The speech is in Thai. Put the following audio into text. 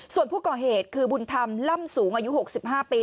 ส่วนผู้ก่อเหตุคือบุญธรรมล่ำสูงอายุ๖๕ปี